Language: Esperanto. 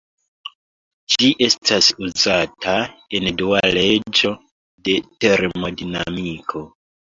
Ĝi estas uzata en Dua leĝo de termodinamiko.